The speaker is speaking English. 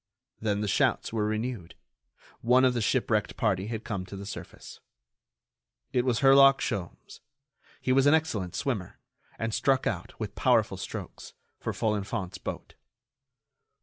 Then the shouts were renewed: one of the shipwrecked party had come to the surface. It was Herlock Sholmes. He was an excellent swimmer, and struck out, with powerful strokes, for Folenfant's boat.